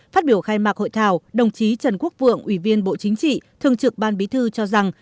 phát biểu khai mạc hội thảo đồng chí trần quốc vượng ủy viên bộ chính trị thường trực ban bí thư cho rằng